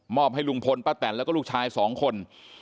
ให้ลุงพลป้าแตนแล้วก็ลูกชายสองคน